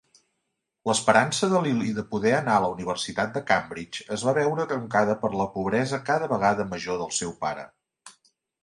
L'esperança de Lilly de poder anar a la Universitat de Cambridge es va veure truncada per la pobresa cada vegada major del seu pare.